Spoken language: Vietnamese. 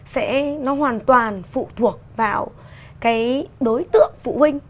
sẽ nó hoàn toàn phụ thuộc vào cái đối tượng phụ huynh